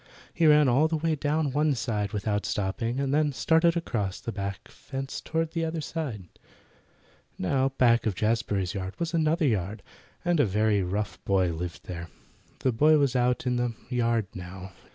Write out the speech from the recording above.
He ran all the way down one side without stopping, and then started across the back fence toward the other side. Now back of Jazbury's yard was another yard, and a very rough boy lived there. The boy was out in the yard now.